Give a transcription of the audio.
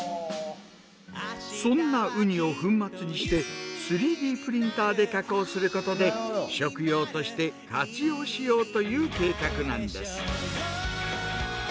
そんなウニを粉末にして３Ｄプリンターで加工することで食用として活用しようという計画なんです。